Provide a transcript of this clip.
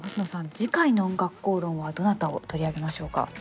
次回の「おんがくこうろん」はどなたを取り上げましょうか？